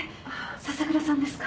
笹倉さんですか？